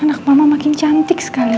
anak mama makin cantik sekali